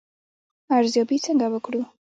ارزیابي څنګه وکړو؟